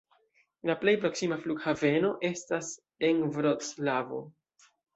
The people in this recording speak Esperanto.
La plej proksima flughaveno estas en Vroclavo.